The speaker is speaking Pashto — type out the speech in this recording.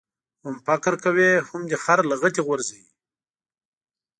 هم فقر کوې ، هم دي خر لغتي غورځوي.